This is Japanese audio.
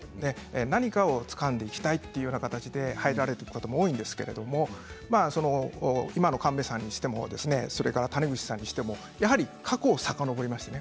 何かをつかんでいきたいというような形で入れられることも多いんですけど今の神戸さんにしても谷口さんにしても過去をさかのぼりましたね。